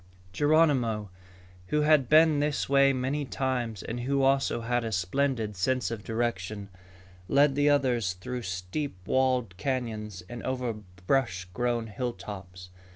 Geronimo, who had been this way many times and who also had a splendid sense of direction, led the others through steep walled canyons and over brush grown hilltops.